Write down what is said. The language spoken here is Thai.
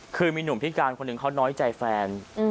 คือมีหนุ่มพิการคนหนึ่งเขาน้อยใจแฟน